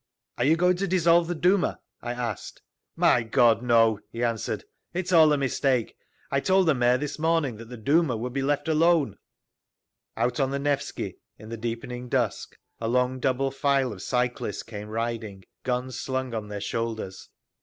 "Are you going to dissolve the Duma?" I asked. "My God, no!" he answered. "It is all a mistake. I told the Mayor this morning that the Duma would be left alone…." Out on the Nevsky, in the deepening dusk, a long double file of cyclists came riding, guns slung on their shoulders.